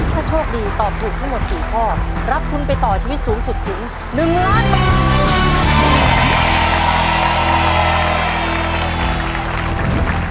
ถ้าโชคดีตอบถูกทั้งหมด๔ข้อรับทุนไปต่อชีวิตสูงสุดถึง๑ล้านบาท